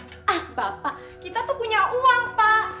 ah bapak kita tuh punya uang pak